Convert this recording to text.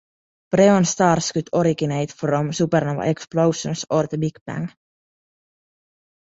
Preon stars could originate from supernova explosions or the big bang.